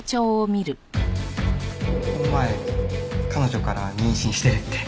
この前彼女から妊娠してるって。